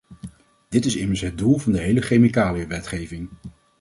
Dit is immers het doel van de hele chemicaliënwetgeving.